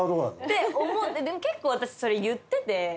でも結構私それ言ってて。